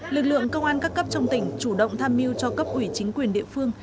lực lượng công an các cấp trong tỉnh chủ động tham mưu cho cấp ủy chính quyền địa phương